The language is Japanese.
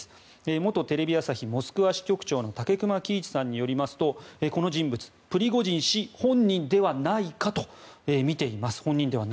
元テレビ朝日モスクワ支局長の武隈喜一さんによりますとこの人物プリゴジン氏本人ではないかとみています。